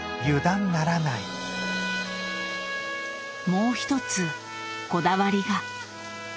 もう一つこだわりが。